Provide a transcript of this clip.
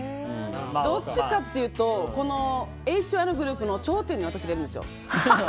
どっちかっていうとＨＹのグループの頂点に私がいるんですよ。